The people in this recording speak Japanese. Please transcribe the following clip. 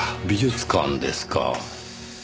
美術館ですか。